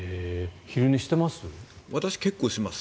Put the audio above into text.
昼寝してます？